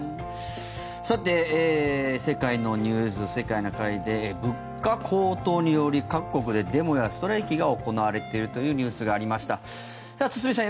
さて、世界のニュース「世界な会」で物価高騰により各国でデモやストライキが行われているというニュースがありました。